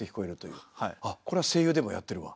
あっこれは声優でもやってるわ。